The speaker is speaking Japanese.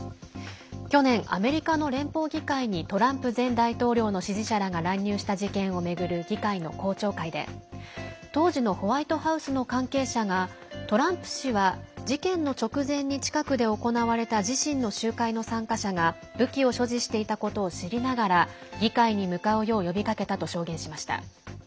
去年、アメリカの連邦議会にトランプ前大統領の支持者らが乱入した事件を巡る議会の公聴会で当時のホワイトハウスの関係者がトランプ氏は事件の直前に近くで行われた自身の集会の参加者が武器を所持していたことを知りながら議会に向かうよう呼びかけたと証言しました。